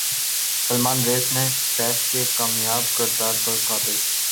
Salman Race میں سیف کے کامیاب کردار پر قابض